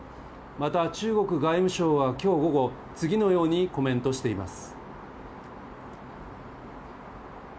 また中国外務省はきょう午後、次のようにコメントしています。